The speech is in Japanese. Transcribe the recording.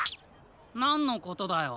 なんのことだよ？